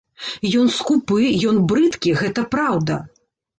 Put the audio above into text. Ён скупы, ён брыдкі, гэта праўда.